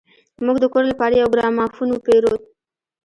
موږ د کور لپاره يو ګرامافون وپېرود.